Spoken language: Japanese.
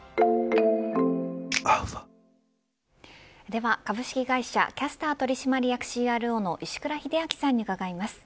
では株式会社キャスター取締役ＣＲＯの石倉秀明さんに伺います。